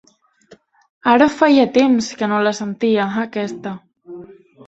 Ara feia temps que no la sentia, aquesta!